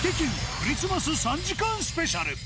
クリスマス３時間スペシャル。